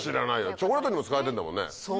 チョコレートにも使われてるんだもんね。